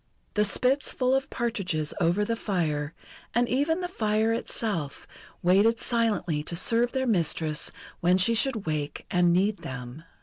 The spits full of partridges over the fire, and even the fire itself, waited silently to serve their mistress when she should wake and need them.